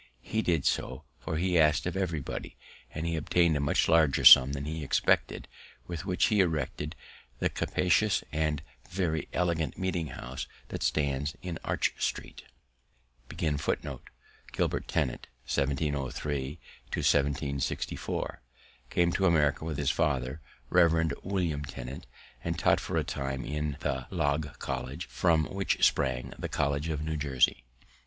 He did so, for he ask'd of everybody, and he obtain'd a much larger sum than he expected, with which he erected the capacious and very elegant meeting house that stands in Arch street. Gilbert Tennent (1703 1764) came to America with his father, Rev. William Tennent, and taught for a time in the "Log College," from which sprang the College of New Jersey.